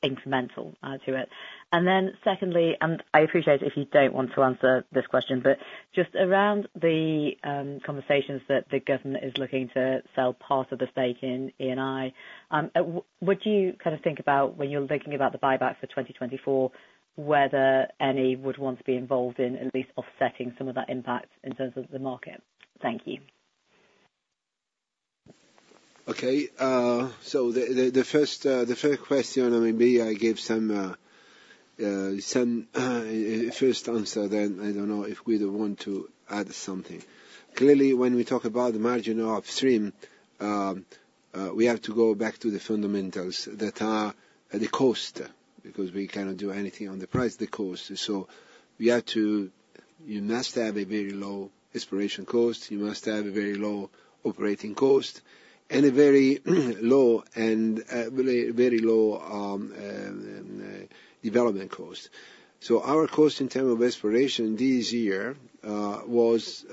incremental to it. And then secondly - and I appreciate it if you don't want to answer this question - but just around the conversations that the government is looking to sell part of the stake in Eni, would you kind of think about, when you're thinking about the buyback for 2024, whether Eni would want to be involved in at least offsetting some of that impact in terms of the market? Thank you. Okay. So the first question, maybe I give some first answer, then I don't know if Guido wants to add something. Clearly, when we talk about the margin upstream, we have to go back to the fundamentals that are the cost because we cannot do anything on the price, the cost. So you must have a very low exploration cost. You must have a very low operating cost and a very low and very low development cost. So our cost in terms of exploration this year was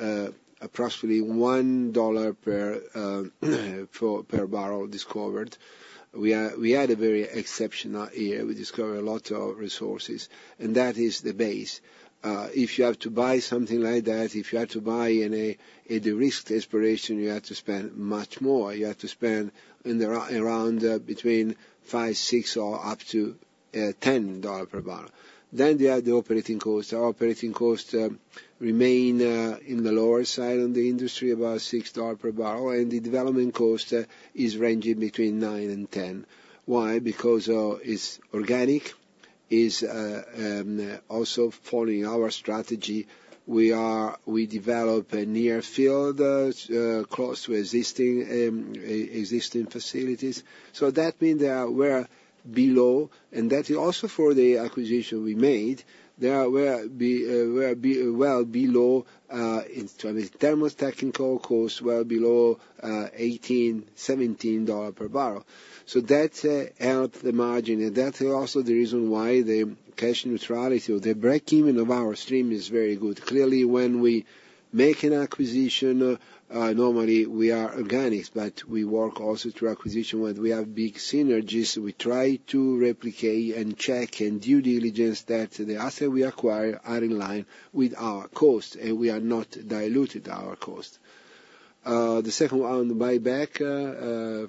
approximately $1 per barrel discovered. We had a very exceptional year. We discovered a lot of resources, and that is the base. If you have to buy something like that, if you have to buy in the risk exploration, you have to spend much more. You have to spend around between $5, $6, or up to $10 per barrel. Then you have the operating cost. Our operating costs remain in the lower side on the industry, about $6 per barrel. The development cost is ranging between $9-$10. Why? Because it's organic. It's also following our strategy. We develop near-field close to existing facilities. So that means they are well below. And that is also for the acquisition we made. They are well below in terms of unit technical cost, well below $18, $17 per barrel. So that helped the margin. And that's also the reason why the cash neutrality or the break-even of our upstream is very good. Clearly, when we make an acquisition, normally, we are organic, but we work also through acquisition when we have big synergies. We try to replicate and check and do due diligence that the assets we acquire are in line with our costs, and we are not diluting our costs. The second one, the buyback,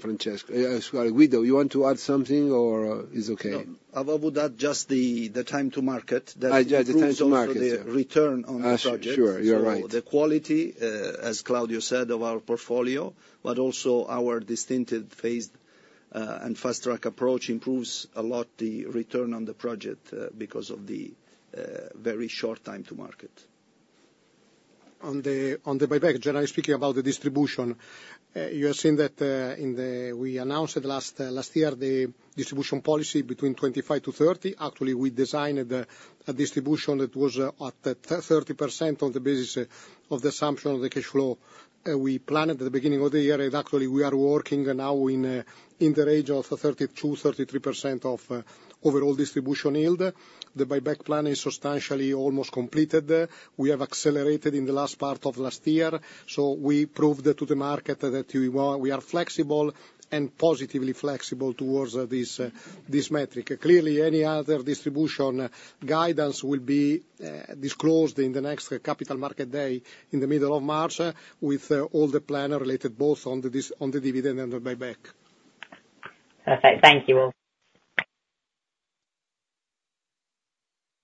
Francesco, sorry, Guido, you want to add something, or is it okay? No. Above that, just the time to market that improves the return on the project. Sure. Sure. You're right. So the quality, as Claudio said, of our portfolio, but also our distinctive phased and FastTrack approach improves a lot the return on the project because of the very short time to market. On the buyback, generally speaking about the distribution, you have seen that we announced last year the distribution policy between 25%-30%. Actually, we designed a distribution that was at 30% on the basis of the assumption of the cash flow we planned at the beginning of the year. Actually, we are working now in the range of 32%-33% of overall distribution yield. The buyback plan is substantially almost completed. We have accelerated in the last part of last year. So we proved to the market that we are flexible and positively flexible towards this metric. Clearly, any other distribution guidance will be disclosed in the next capital market day in the middle of March with all the plan related both on the dividend and the buyback. Perfect. Thank you all.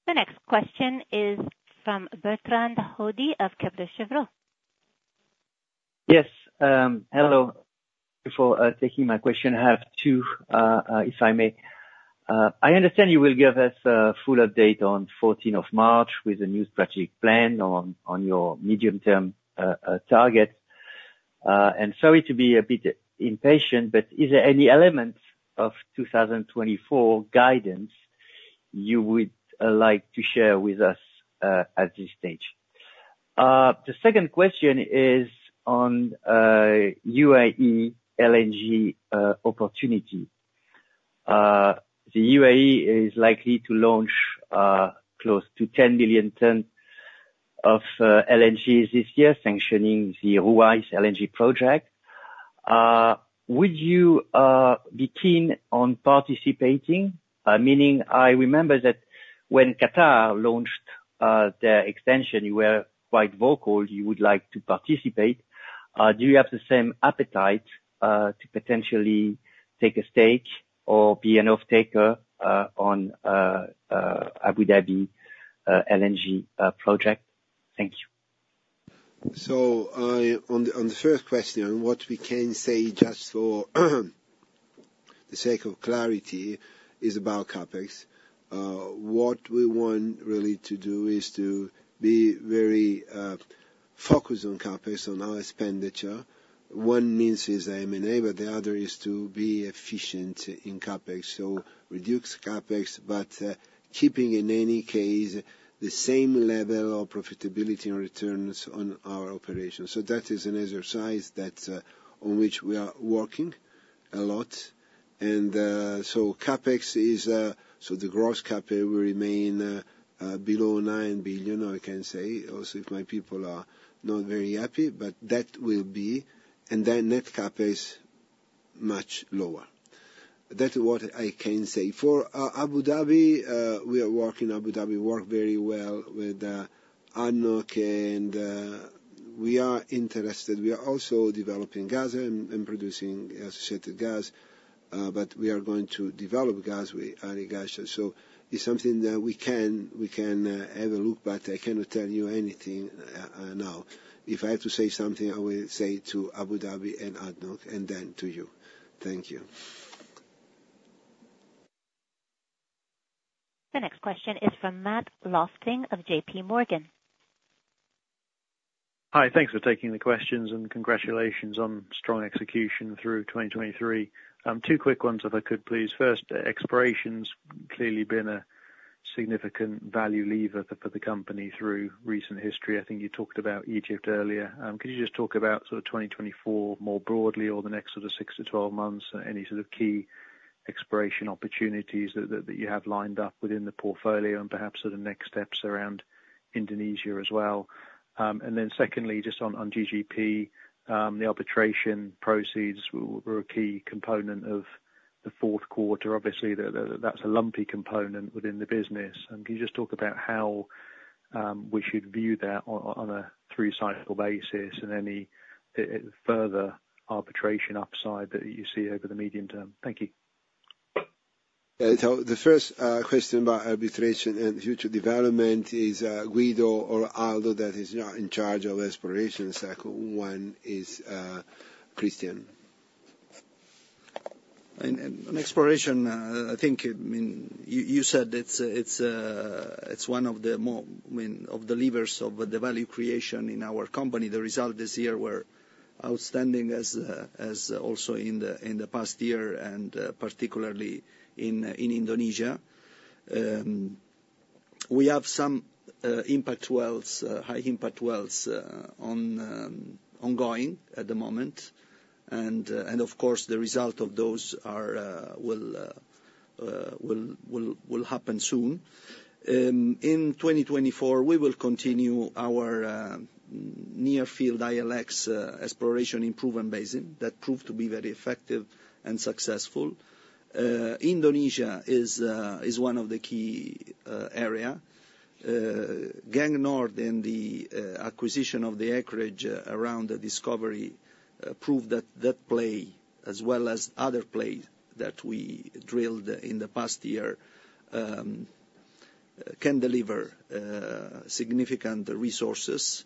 The next question is from Bertrand Hodée of Kepler Cheuvreux. Yes. Hello. Before taking my question, I have two, if I may. I understand you will give us a full update on 14th of March with a new strategic plan on your medium-term targets. Sorry to be a bit impatient, but is there any element of 2024 guidance you would like to share with us at this stage? The second question is on UAE LNG opportunity. The UAE is likely to launch close to 10 million tons of LNGs this year, sanctioning the Ruwais LNG project. Would you be keen on participating? Meaning, I remember that when Qatar launched their extension, you were quite vocal. You would like to participate. Do you have the same appetite to potentially take a stake or be an off-taker on Abu Dhabi LNG project? Thank you. So on the first question, what we can say just for the sake of clarity is about CapEx. What we want, really, to do is to be very focused on CapEx, on our expenditure. One means is M&A, but the other is to be efficient in CapEx, so reduce CapEx but keeping, in any case, the same level of profitability and returns on our operations. So that is an exercise on which we are working a lot. And so CapEx is so the gross CapEx will remain below 9 billion, I can say, also if my people are not very happy, but that will be. And then net CapEx, much lower. That's what I can say. For Abu Dhabi, we are working. Abu Dhabi worked very well with ADNOC, and we are interested. We are also developing gas and producing associated gas, but we are going to develop gas with Algeria. So it's something that we can have a look at, but I cannot tell you anything now. If I have to say something, I will say to Abu Dhabi and ADNOC and then to you. Thank you. The next question is from Matt Lofting of JP Morgan. Hi. Thanks for taking the questions and congratulations on strong execution through 2023. Two quick ones, if I could, please. First, exploration's clearly been a significant value lever for the company through recent history. I think you talked about Egypt earlier. Could you just talk about sort of 2024 more broadly or the next sort of six-12 months, any sort of key exploration opportunities that you have lined up within the portfolio and perhaps sort of next steps around Indonesia as well? And then secondly, just on GGP, the arbitration proceeds were a key component of the fourth quarter. Obviously, that's a lumpy component within the business. Can you just talk about how we should view that on a three-cycle basis and any further arbitration upside that you see over the medium term? Thank you. The first question about arbitration and future development is Guido or Aldo that is in charge of exploration. Second one is Christian. On exploration, I think you said it's one of the levers of the value creation in our company. The results this year were outstanding also in the past year and particularly in Indonesia. We have some high-impact wells ongoing at the moment. And of course, the results of those will happen soon. In 2024, we will continue our near-field ILX exploration in important basins that proved to be very effective and successful. Indonesia is one of the key areas. Geng North and the acquisition of the acreage around the discovery proved that that play, as well as other plays that we drilled in the past year, can deliver significant resources.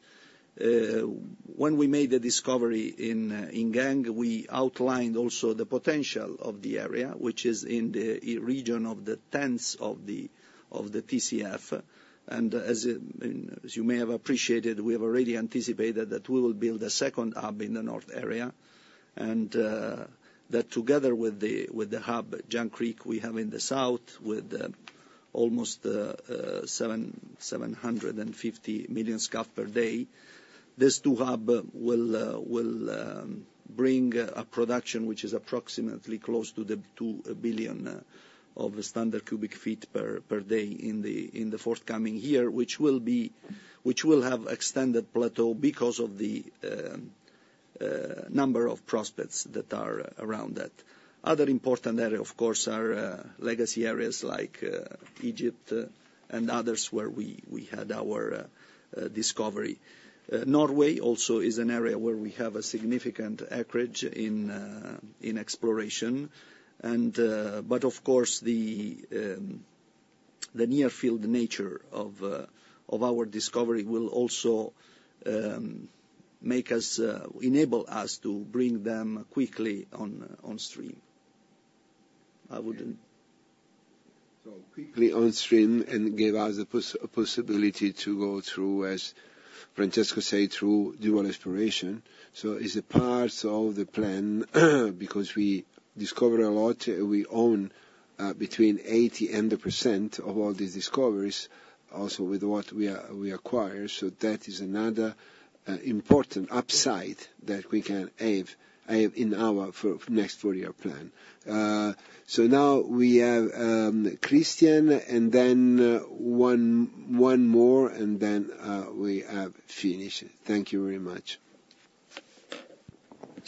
When we made the discovery in Geng, we outlined also the potential of the area, which is in the region of tens of TCF. As you may have appreciated, we have already anticipated that we will build a second hub in the north area and that together with the hub, John Creek, we have in the south with almost 750 million standard cubic feet per day. This new hub will bring a production which is approximately close to 2 billion standard cubic feet per day in the forthcoming year, which will have extended plateau because of the number of prospects that are around that. Other important areas, of course, are legacy areas like Egypt and others where we had our discovery. Norway also is an area where we have a significant acreage in exploration. But of course, the near-field nature of our discovery will also enable us to bring them quickly onstream. I wouldn't. So quickly onstream and give us a possibility to go through, as Francesco said, through dual exploration. So it's a part of the plan because we discover a lot. We own between 80%-100% of all these discoveries also with what we acquire. So that is another important upside that we can have in our next four-year plan. So now we have Christian and then one more, and then we have Finished. Thank you very much.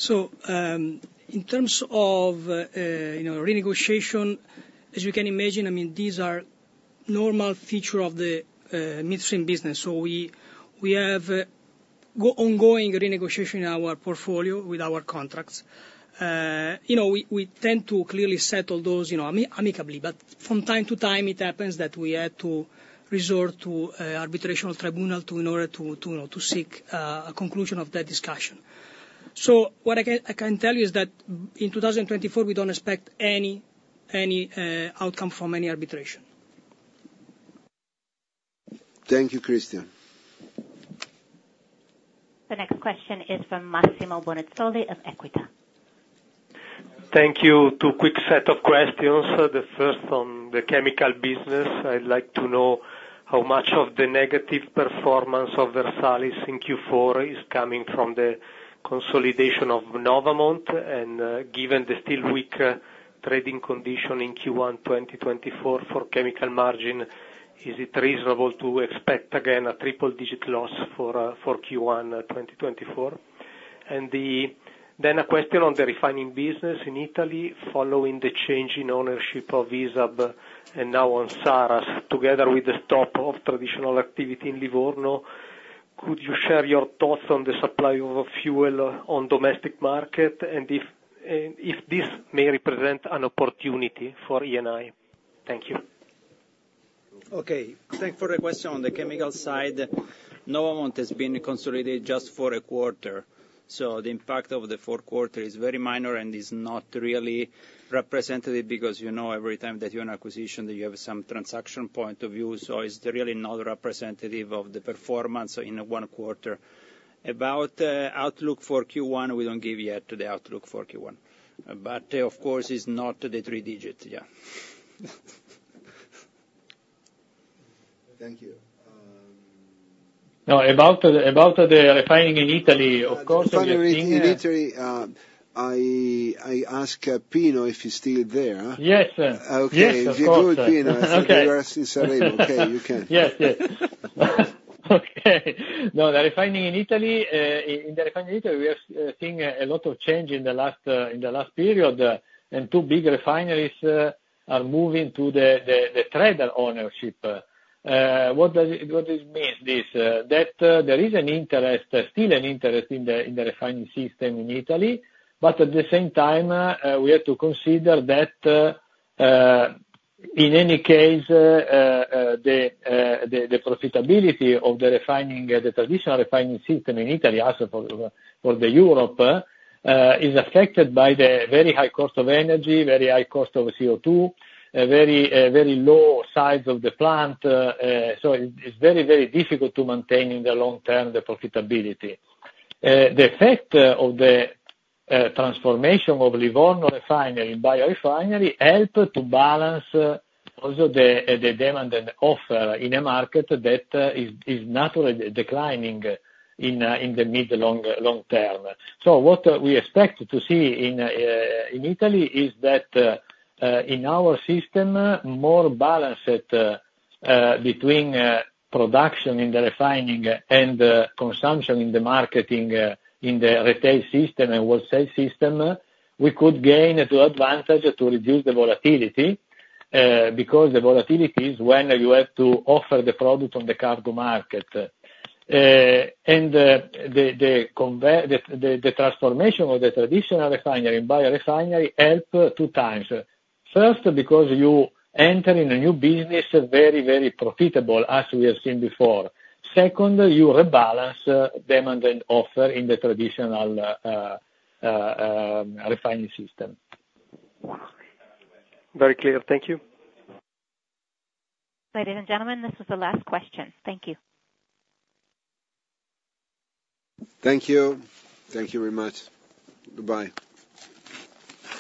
In terms of renegotiation, as you can imagine, I mean, these are normal features of the midstream business. We have ongoing renegotiation in our portfolio with our contracts. We tend to clearly settle those amicably, but from time to time, it happens that we have to resort to arbitration or tribunal in order to seek a conclusion of that discussion. What I can tell you is that in 2024, we don't expect any outcome from any arbitration. Thank you, Christian. The next question is from Massimo Bonisoli of Equita. Thank you. Two quick sets of questions. The first on the chemical business. I'd like to know how much of the negative performance of Versalis in Q4 is coming from the consolidation of Novamont. And given the still weak trading condition in Q1 2024 for chemical margin, is it reasonable to expect again a triple-digit loss for Q1 2024? And then a question on the refining business in Italy following the change in ownership of ISAB and now on Saras, together with the stop of traditional activity in Livorno. Could you share your thoughts on the supply of fuel on the domestic market and if this may represent an opportunity for Eni? Thank you. Okay. Thanks for the question. On the chemical side, Novamont has been consolidated just for a quarter. So the impact of the fourth quarter is very minor and is not really representative because every time that you're in an acquisition, you have some transaction point of view. So it's really not representative of the performance in one quarter. About outlook for Q1, we don't give yet the outlook for Q1. But of course, it's not the three-digit. Yeah. Thank you. No, about the refining in Italy, of course, I mean, thing. The refining in Italy. I ask Fano if he's still there. Yes, sir. Yes, of course. Okay. You're good, Fano. You are still available. Okay. You can. Yes, yes. Okay. No, the refining in Italy in the refining in Italy, we have seen a lot of change in the last period, and two big refineries are moving to the trader ownership. What does this mean? That there is still an interest in the refining system in Italy, but at the same time, we have to consider that in any case, the profitability of the traditional refining system in Italy, also for Europe, is affected by the very high cost of energy, very high cost of CO2, very low size of the plant. So it's very, very difficult to maintain in the long term the profitability. The effect of the transformation of Livorno refinery in biorefinery helps to balance also the demand and offer in a market that is naturally declining in the mid-long term. So what we expect to see in Italy is that in our system, more balance between production in the refining and consumption in the marketing in the retail system and wholesale system, we could gain the advantage to reduce the volatility because the volatility is when you have to offer the product on the cargo market. And the transformation of the traditional refinery into a biorefinery helps two times. First, because you enter in a new business very, very profitable as we have seen before. Second, you rebalance demand and offer in the traditional refining system. Very clear. Thank you. Ladies and gentlemen, this is the last question. Thank you. Thank you. Thank you very much. Goodbye.